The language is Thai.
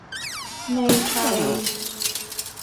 ในไทย